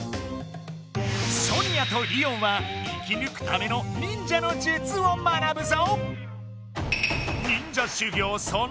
ソニアとリオンは生き抜くための忍者の術を学ぶぞ！